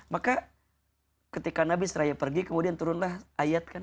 maka ketika nabi saw pergi kemudian turunlah ayat ayat